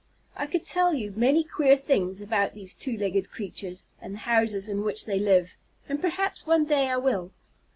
"I could tell you many queer things about these two legged creatures, and the houses in which they live, and perhaps some day I will.